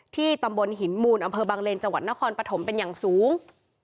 ตำบลหินมูลอำเภอบังเลนจังหวัดนครปฐมเป็นอย่างสูง